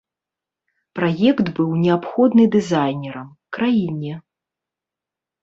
Праект быў неабходны дызайнерам, краіне.